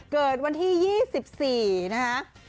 เกิดวันที่๒๔นะคะ